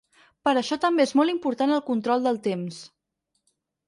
Per això també és molt important el control del temps.